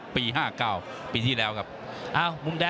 พี่น้องอ่ะพี่น้องอ่ะ